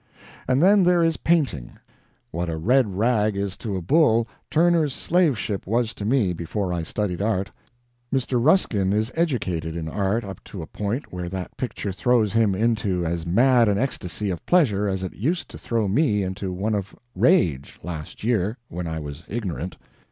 And then there is painting. What a red rag is to a bull, Turner's "Slave Ship" was to me, before I studied art. Mr. Ruskin is educated in art up to a point where that picture throws him into as mad an ecstasy of pleasure as it used to throw me into one of rage, last year, when I was ignorant.